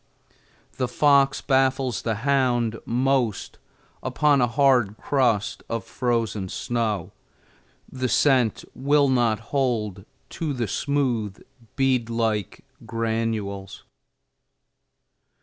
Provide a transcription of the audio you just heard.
The fox baffles the hound most upon a hard crust of frozen snow; the scent will not hold to the smooth, bead like granules.